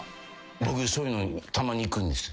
僕そういうのたまに行くんです。